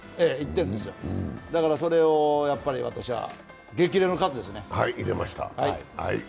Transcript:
だからそれを、私は激励の喝ですね。